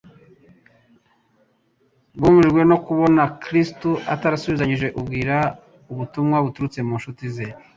Bumijwe no kubona Kristo atarasubizanyije ubwira ubutumwa buturutse ku ncuti ze,